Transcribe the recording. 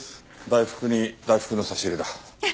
大福に大福の差し入れだ。